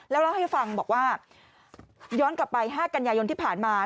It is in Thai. แล้วเล่าให้ฟังบอกว่าย้อนกลับไป๕กันยายนที่ผ่านมา